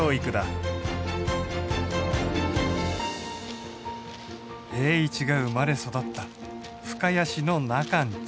栄一が生まれ育った深谷市の中の家。